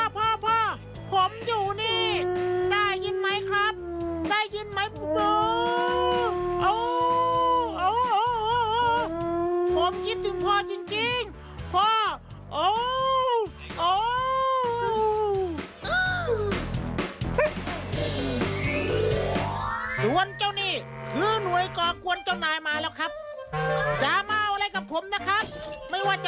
พ่อผมอยู่นี่ได้ยินมั้ยครับได้ยินมั้ย